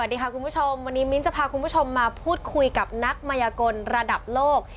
สวัสดีค่ะคุณผู้ชมวันนี้มิ้นจะพาคุณผู้ชมมาพูดคุยกับนักมายกลระดับโลก